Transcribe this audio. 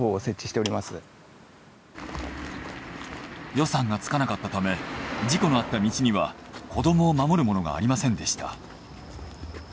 予算がつかなかったため事故のあった道には子供を守るものがありませんでした。